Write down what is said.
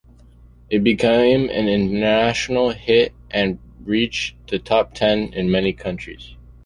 It became an international hit and reached the top ten in many countries.